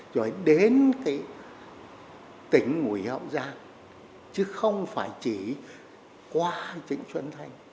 rồi đến tỉnh nguyễn hậu giang chứ không phải chỉ qua trị xuân thành